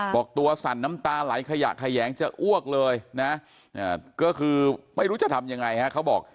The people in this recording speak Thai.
บอกตัวสั่นน้ำตาไหลขยะแขยงจะอ้วกเลยนะก็คือไม่รู้จะทำยังไงฮะเขาบอก